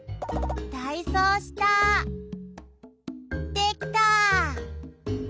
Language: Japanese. できた！